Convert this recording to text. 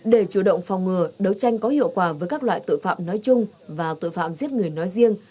để chủ động phòng ngừa đấu tranh có hiệu quả với các loại tội phạm nói chung và tội phạm giết người nói riêng